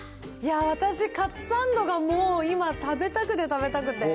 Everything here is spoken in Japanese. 私、カツサンドがもう今、食べたくて食べたくて。